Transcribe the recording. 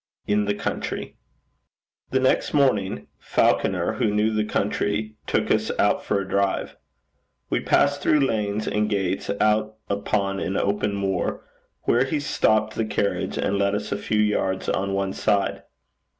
IN THE COUNTRY. The next morning Falconer, who knew the country, took us out for a drive. We passed through lanes and gates out upon all open moor, where he stopped the carriage, and led us a few yards on one side.